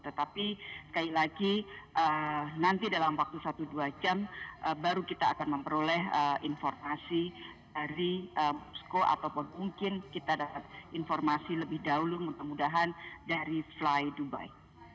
tetapi sekali lagi nanti dalam waktu satu dua jam baru kita akan memperoleh informasi dari skow ataupun mungkin kita dapat informasi lebih dahulu kemudahan dari fly dubai